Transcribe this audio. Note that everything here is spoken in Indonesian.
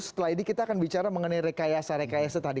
setelah ini kita akan bicara mengenai rekayasa rekayasa tadi